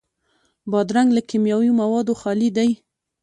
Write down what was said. بادرنګ له کیمیاوي موادو خالي دی.